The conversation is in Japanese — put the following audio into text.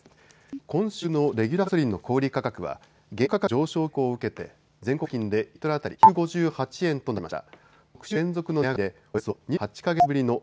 今週のレギュラーガソリンの小売価格は原油価格の上昇傾向を受けて全国平均で１リットル当たり１５８円となりました。